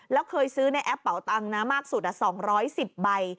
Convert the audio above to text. แล้วเคยซื้อในแอปเป่าตังค์นะมากสุด๒๑๐ใบ